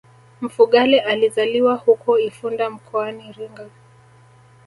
Mfugale alizaliwa huko Ifunda mkoani Iringa